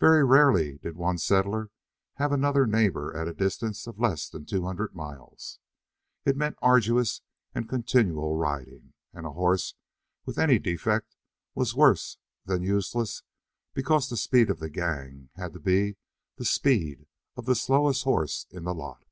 Very rarely did one settler have another neighbor at a distance of less than two hundred miles. It meant arduous and continual riding, and a horse with any defect was worse than useless because the speed of the gang had to be the speed of the slowest horse in the lot.